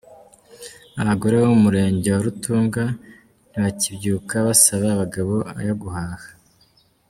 Abagore bo mu murenge wa Rutunga ntibakibyuka basaba abagabo ayo guhaha